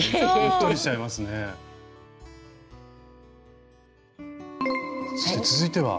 そして続いては。